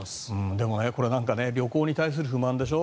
でも、これなんか旅行に対する不満でしょ。